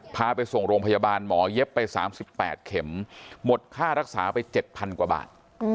พาไปส่งโรงพยาบาลหมอยเย็บไปสามสิบแปดเข็มหมดค่ารักษาไปเจ็ดพันกว่าบาท